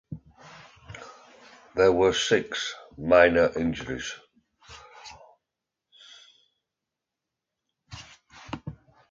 There were six minor injuries.